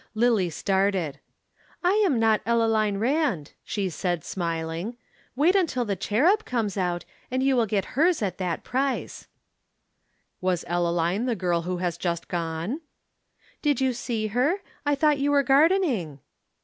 Lillie started. "I am not Ellaline Rand," she said smiling. "Wait till The Cherub comes out, and you will get hers at that price." "Was Ellaline the girl who has just gone?" "Did you see her? I thought you were gardening."